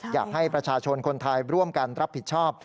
อยากให้ประชาชนคนไทยร่วมกันรับผิดชอบ